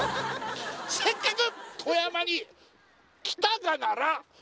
「せっかく富山に来たがなら」